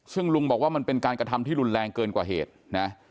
ซึ่งลุงบอกว่ามันเป็นการกระทำที่รุนแรงเกินกว่าเหตุนะ